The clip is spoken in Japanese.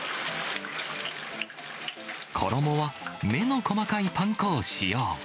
衣は、目の細かいパン粉を使用。